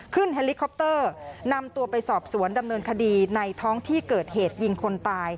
เฮลิคอปเตอร์นำตัวไปสอบสวนดำเนินคดีในท้องที่เกิดเหตุยิงคนตาย